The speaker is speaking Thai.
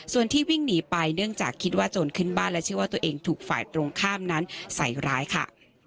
ส่วนที่วิ่งหนีไปเนื่องจากคิดว่าโจรขึ้นบ้านและเชื่อว่าตัวเองถูกฝ่ายตรงข้ามนั้นใส่ร้ายค่ะ